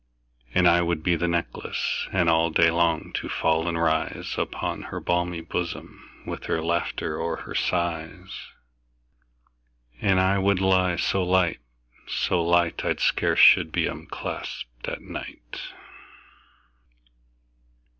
And I would be the necklace, And all day long to fall and rise Upon her balmy bosom, 15 With her laughter or her sighs: And I would lie so light, so light, I scarce should be unclasp'd at night.